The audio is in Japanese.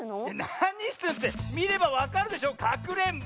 なにしてるってみればわかるでしょかくれんぼ！